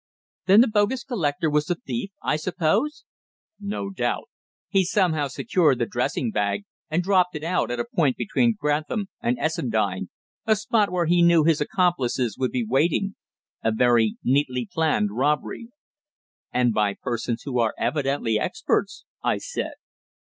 "Then the bogus collector was the thief, I suppose?" "No doubt. He somehow secured the dressing bag and dropped it out at a point between Grantham and Essendine a spot where he knew his accomplices would be waiting a very neatly planned robbery." "And by persons who are evidently experts," I said.